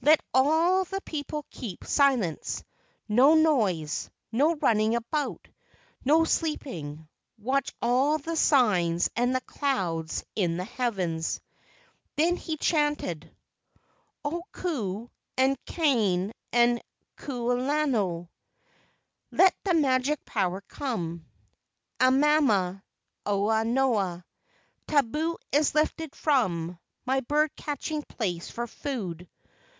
Let all the people keep silence; no noise, no running about, no sleep¬ ing. Watch all the signs and the clouds in the heavens." Then he chanted: "O Ku and Kane and Kanaloa, Let the magic power come. Amama ua noa. Tabu is lifted from My bird catching place for food.